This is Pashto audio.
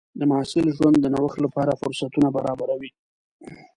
د محصل ژوند د نوښت لپاره فرصتونه برابروي.